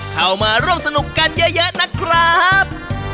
เข้ามาร่วมสนุกกันเยอะนะครับ